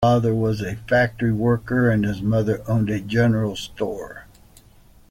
His father was a factory worker and his mother owned a general store.